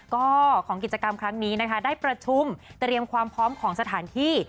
ก็ของกิจกรรมครั้งนี้นะคะได้ประชุมเตรียมความพร้อมของสถานที่